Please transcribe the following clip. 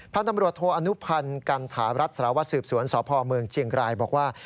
ท่านตำรวจโทอนุพันธ์กันถารัฐสารวัตรสืบสวนสพเมืองเชียงรายบอกว่า